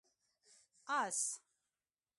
🐎 آس